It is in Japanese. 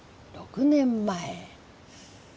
６年前。